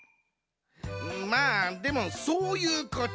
まあでもそういうこっちゃ。